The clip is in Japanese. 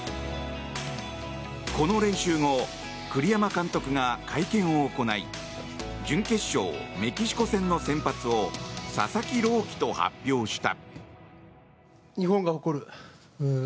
この練習後栗山監督が会見を行い準決勝メキシコ戦の先発を佐々木朗希と発表した。